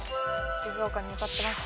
静岡に向かってます。